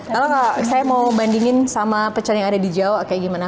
lalu saya mau bandingin sama pecel yang ada di jawa kayak gimana